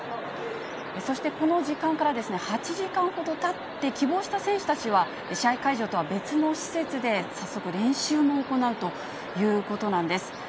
そしてこの時間から８時間ほどたって、希望した選手たちは、試合会場とは別の施設で早速練習も行うということなんです。